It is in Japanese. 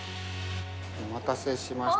お待たせしました。